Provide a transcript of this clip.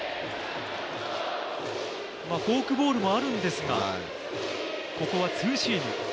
フォークボールもあるんですが、ここはツーシーム。